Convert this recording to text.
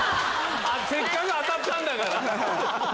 せっかく当たったんだから。